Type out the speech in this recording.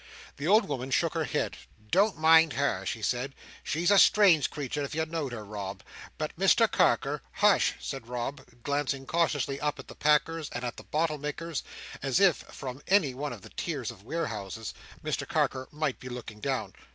The old woman shook her head. "Don't mind her," she said; "she's a strange creetur, if you know'd her, Rob. But Mr Carker—" "Hush!" said Rob, glancing cautiously up at the packer's, and at the bottle maker's, as if, from any one of the tiers of warehouses, Mr Carker might be looking down.